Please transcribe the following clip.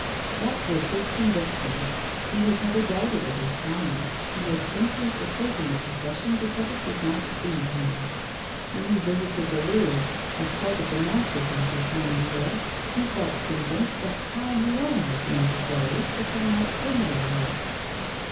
That was his conviction. He had never doubted of his talent, he had simply forsaken the profession because it did not feed him. When he visited the Louvre, at sight of the masterpieces hanging there he felt convinced that time alone was necessary to turn out similar work.